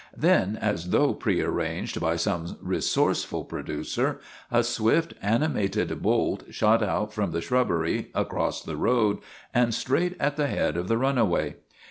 Then, as though prearranged by some resourceful producer, a swift, animated bolt shot out from the shrubbery, across the road, and straight at the head of the runaway.